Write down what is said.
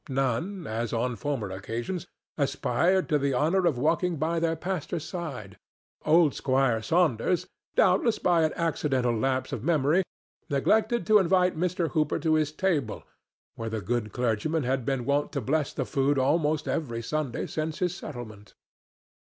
None, as on former occasions, aspired to the honor of walking by their pastor's side. Old Squire Saunders—doubtless by an accidental lapse of memory—neglected to invite Mr. Hooper to his table, where the good clergyman had been wont to bless the food almost every Sunday since his settlement.